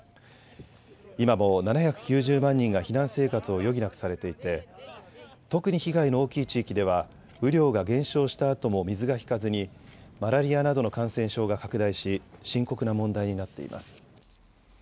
今も７９０万人が避難生活を余儀なくされていて特に被害の大きい地域では雨量が減少したあとも水が引かずにマラリアなどの感染症が拡大し深刻な問題になっています。